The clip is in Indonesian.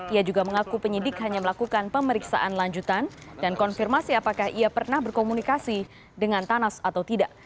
ia juga mengaku penyidik hanya melakukan pemeriksaan lanjutan dan konfirmasi apakah ia pernah berkomunikasi dengan thanas atau tidak